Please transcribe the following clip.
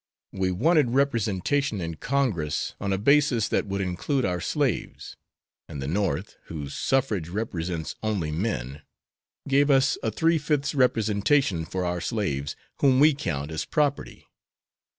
We wanted representation in Congress on a basis which would include our slaves, and the North, whose suffrage represents only men, gave us a three fifths representation for our slaves, whom we count as property.